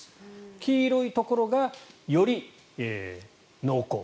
黄色いところがより濃厚。